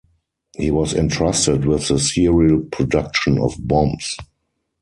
He was entrusted with the serial production of bombs.